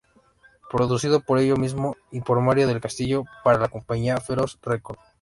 Producido por ellos mismos y por Mario del Castillo para la compañía Feroz Record.